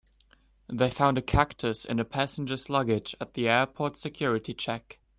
They found a cactus in a passenger's luggage at the airport's security check.